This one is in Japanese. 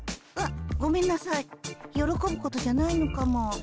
あごめんなさい喜ぶことじゃないのかも。